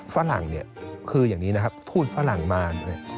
ฝรั่งคืออย่างนี้นะครับธูษฝรั่งมา